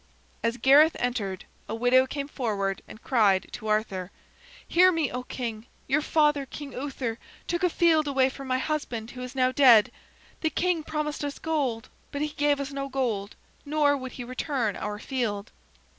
As Gareth entered, a widow came forward and cried to Arthur: "Hear me, oh, King! Your father, King Uther, took away a field from my husband, who is now dead. The king promised us gold, but he gave us no gold, nor would he return our field."